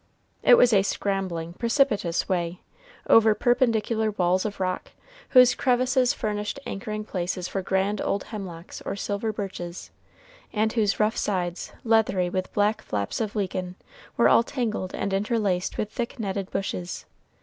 It was a scrambling, precipitous way, over perpendicular walls of rock, whose crevices furnished anchoring places for grand old hemlocks or silver birches, and whose rough sides, leathery with black flaps of lichen, were all tangled and interlaced with thick netted bushes.